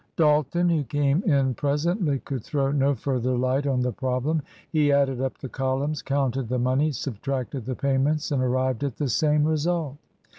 Dalton, who came in presently, could throw no further light on the problem. He added up the columns, counted the money, subtracted the payments and arrived at the same result.